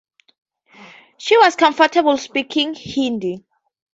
She was comfortable speaking Hindi.